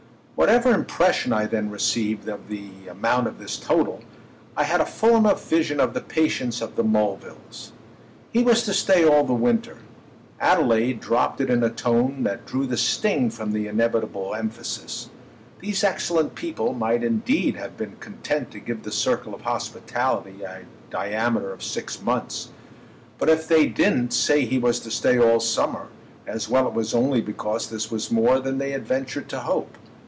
Whatever impression I then received of the amount of this total, I had a full enough vision of the patience of the Mulvilles. He was to stay all the winter: Adelaide dropped it in a tone that drew the sting from the inevitable emphasis. These excellent people might indeed have been content to give the circle of hospitality a diameter of six months; but if they didn't say he was to stay all summer as well it was only because this was more than they ventured to hope.